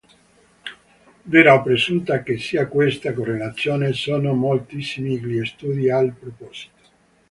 Vera o presunta che sia questa correlazione, sono moltissimi gli studi al proposito.